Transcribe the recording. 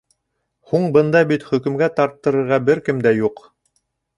Һуң бында бит хөкөмгә тарттырырға бер кем дә юҡ!